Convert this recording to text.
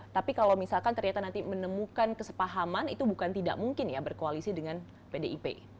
tapi kalau misalkan ternyata nanti menemukan kesepahaman itu bukan tidak mungkin ya berkoalisi dengan pdip